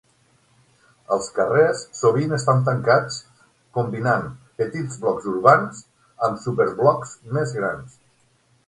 Els carrers sovint estan tancats, combinant petits blocs urbans amb super-blocs més grans.